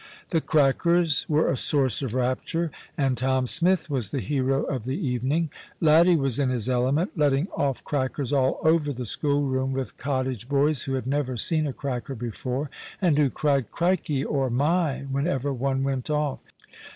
The crackers were a source of rapture, and Tom Smith was the hero of the evening. Laddie was in his element, letting off crackers all over the schoolroom with cottage boys who had never seen a cracker before, and who cried " Crikey !" or " My !" whenever one went off.